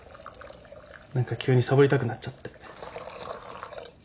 何か急にサボりたくなっちゃって。